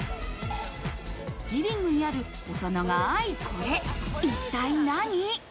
リビングにある細長い、これ、一体、何？